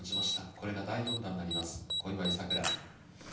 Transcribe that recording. これが第４打になります小祝さくら。